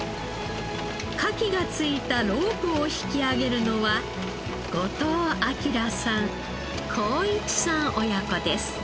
カキがついたロープを引き上げるのは後藤晃さん晃一さん親子です。